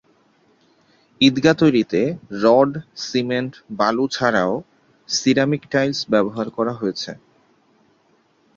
ঈদগাহ তৈরিতে rod, cement, বালু ছাড়াও সিরামিক টাইলস ব্যবহার করা হয়েছে।